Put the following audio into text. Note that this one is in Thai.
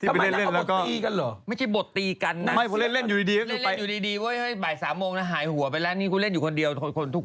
ก็หมายถึงเขาบทตีกันเหรอไม่ใช่บทตีกันนะไม่เรื่องเล่นอยู่ดีเดี๋ยวไป